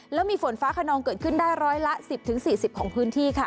แล้วมีฝนฟ้าขนองเกิดขึ้นได้ร้อยละ๑๐๔๐ของพื้นที่ค่ะ